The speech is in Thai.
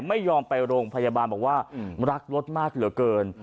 ไม่ยอมไปโรงพยาบาลบอกว่ารักรถมากเหลือเกิน